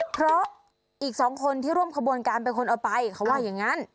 เพราะอีกสองคนที่ร่วมขบวนการเป็นคนเอาไปเขาว่าอย่างนั้น